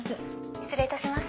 失礼いたします。